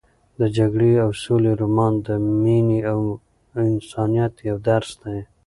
د جګړې او سولې رومان د مینې او انسانیت یو درس دی.